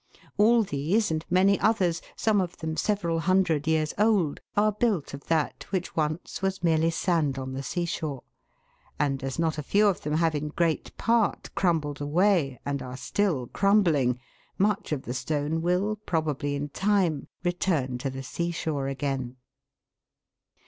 All these, and many others, some of them several hundred years old, are built of that which once was merely sand on the sea shore, and as not a few of them have in great part crumbled away and are still crumbling, much of the stone will, probably, in time, return to the sea shore again.